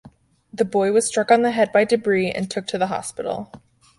The boy was struck on the head by debris and took to the hospital.